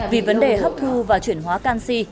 vì vấn đề hấp thu và chuyển hóa canxi